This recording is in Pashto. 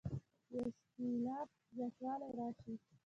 د یو سېلاب زیاتوالی راشي.